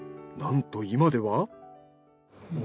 なんと今では。